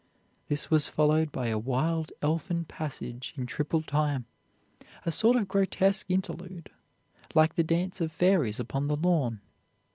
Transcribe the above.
This was followed by a wild, elfin passage in triple time a sort of grotesque interlude, like the dance of fairies upon the lawn.